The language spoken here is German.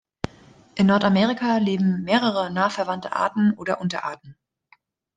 In Nordamerika leben mehrere nah verwandte Arten oder Unterarten.